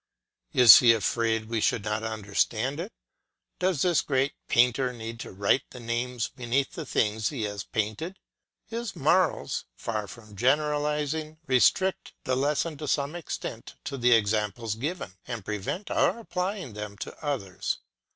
Is he afraid we should not understand it? Does this great painter need to write the names beneath the things he has painted? His morals, far from generalising, restrict the lesson to some extent to the examples given, and prevent our applying them to others.